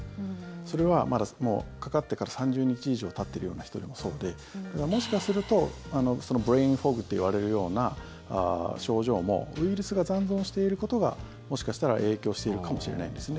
それはもうかかってから３０日以上たっているような人でもそうでもしかするとそのブレインフォグといわれるような症状もウイルスが残存していることがもしかしたら影響しているかもしれないんですね。